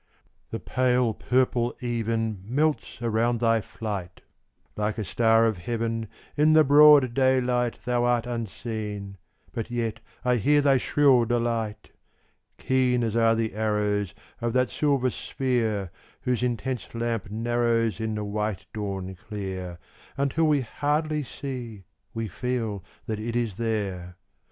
The pale purple even Melts around thy flight; Like a star of heaven In the broad daylight, Thou art unseen, but yet I hear thy shrill delight Keen as are the arrows Of that silver sphere Whose intense lamp narrows In the white dawn clear, Until we hardly see, we feel, that it is there.